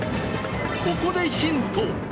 ここでヒント。